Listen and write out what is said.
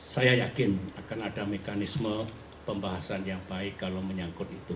saya yakin akan ada mekanisme pembahasan yang baik kalau menyangkut itu